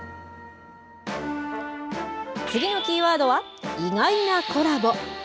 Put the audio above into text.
次のキーワードは、意外なコラボ。